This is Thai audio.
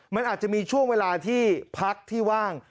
มันอาจจะมีช่วงเวลาที่พักที่ว่าง